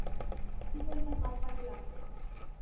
কী পরিমাণ মালপানি লাগবে?